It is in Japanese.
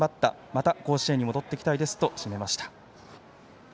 また甲子園に戻ってきたいですと締めました。